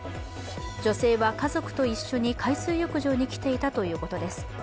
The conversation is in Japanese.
女性は家族と一緒に海水浴場に来ていたということです。